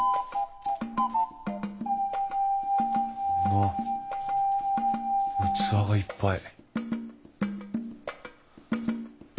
わっ器がいっぱい。